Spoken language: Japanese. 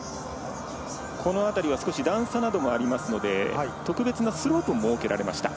この辺りは段差などもありますので特別なスロープが設けられました。